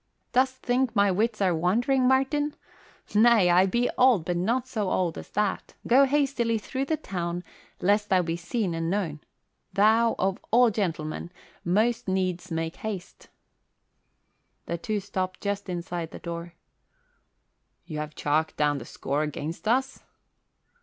"Dost think my wits are wandering, Martin? Nay, I be old, but not so old as that. Go hastily through the town lest thou be seen and known. Thou, of all the gentlemen, most needs make haste." The two stopped just inside the door. "You have chalked down the score against us?"